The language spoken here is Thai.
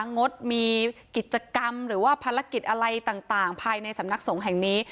งดมีกิจกรรมหรือว่าภารกิจอะไรต่างภายในสำนักสงฆ์แห่งนี้